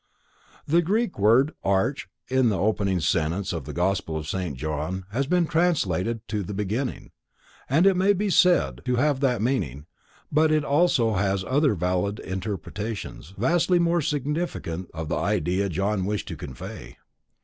The Greek word arche, in the opening sentence of the gospel of St. John has been translated the beginning, and it may be said to have that meaning, but it also has other valid interpretations, vastly more significant of the idea John wished to convey.